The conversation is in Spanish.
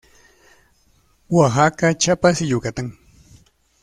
Oaxaca, Chiapas y Yucatán.